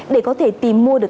để có thể tìm mua được